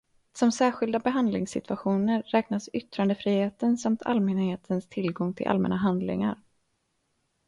Som särskilda behandlingssituationer räknas yttrandefriheten samt allmänhetens tillgång till allmänna handlingar.